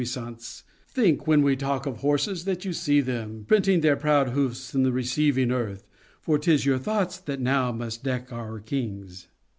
12 SHAKESPEAREAN THEATRES Think, when we talk of horses, that you see them Printing their proud hoofs i' the receiving earth. For 'tis your thoughts that now must deck our kings.